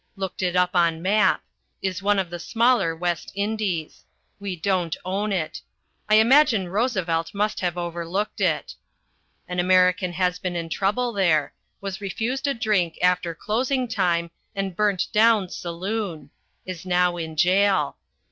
Looked it up on map. Is one of the smaller West Indies. We don't own it. I imagine Roosevelt must have overlooked it. An American has been in trouble there: was refused a drink after closing time and burnt down saloon. Is now in jail.